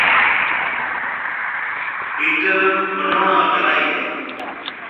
پيٽل منوڻا ڪرائي هيَ۔